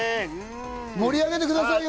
盛り上げてくださいよ！